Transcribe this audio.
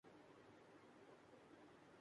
لیکن کہیں سے ڈھونڈ کے لائے۔